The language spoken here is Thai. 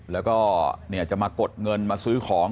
แล้วก็จะมากดเงินมาซื้อของ